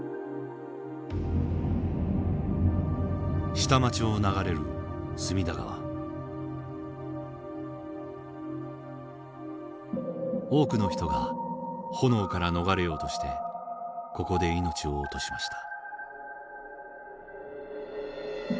下町を流れる多くの人が炎から逃れようとしてここで命を落としました。